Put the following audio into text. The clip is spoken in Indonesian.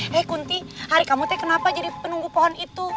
hei kunti hari kamu teh kenapa jadi penunggu pohon itu